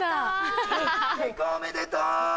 結婚おめでとう！